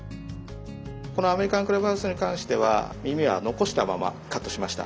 このアメリカンクラブハウスに関してはみみは残したままカットしました。